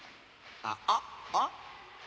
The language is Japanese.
ああっあっ？